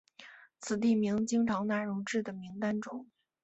此地名经常纳入至的名单中。